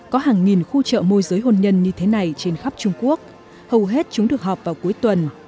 có hàng nghìn khu chợ môi giới hôn nhân như thế này trên khắp trung quốc hầu hết chúng được họp vào cuối tuần